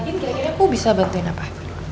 kira kira aku bisa bantuin apa